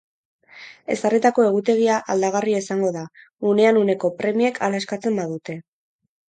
Ezarritako egutegia aldagarria izango da, unean uneko premiek hala eskatzen badute.